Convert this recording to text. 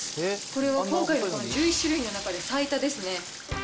これは今回の１１種類の中で最多ですね。